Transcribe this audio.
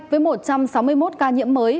với một trăm sáu mươi một ca nhiễm mới